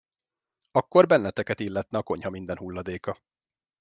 Akkor benneteket illetne a konyha minden hulladéka.